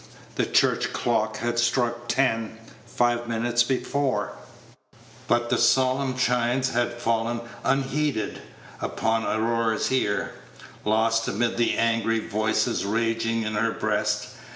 The church clock had struck ten five minutes before, but the solemn chimes had fallen unheeded upon Aurora's ear, lost amid the angry voices raging in her breast.